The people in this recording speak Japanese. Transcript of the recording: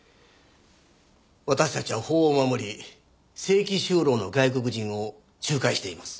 私たちは法を守り正規就労の外国人を仲介しています。